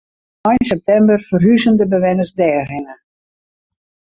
Ein septimber ferhuzen de bewenners dêrhinne.